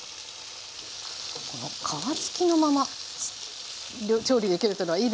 皮つきのまま調理できるっていうのはいいですよね。